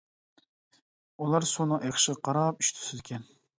ئۇلار سۇنىڭ ئېقىشىغا قاراپ ئىش تۇتىدىكەن.